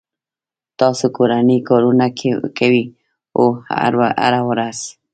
تاسو کورنی کارونه کوئ؟ هو، هره ورځ